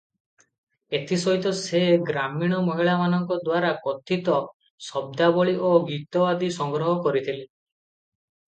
ଏଥି ସହିତ ସେ ଗ୍ରାମୀଣ ମହିଳାମାନଙ୍କଦ୍ୱାରା କଥିତ ଶବ୍ଦାବଳୀ ଓ ଗୀତ ଆଦି ସଂଗ୍ରହ କରିଥିଲେ ।